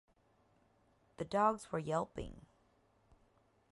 The dogs were yelping.